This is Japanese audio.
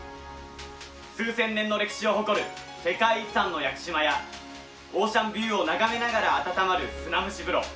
数千年の歴史を誇る世界遺産の屋久島やオーシャンビューを眺めながら温まる砂蒸し風呂